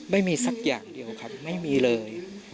ไม่มีสักอย่างเดียวครับไม่มีเลย